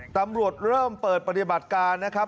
ตำรวจเริ่มเปิดปฏิบัติการนะครับ